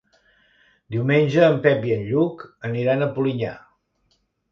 Diumenge en Pep i en Lluc aniran a Polinyà.